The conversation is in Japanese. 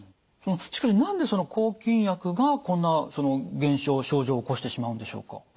そのしかし何でその抗菌薬がこんな現象症状を起こしてしまうんでしょうか？